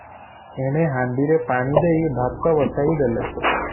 ଏଣେ ହାଣ୍ଡିରେ ପାଣିଦେଇ ଭାତବସାଇ ଦେଲେ ।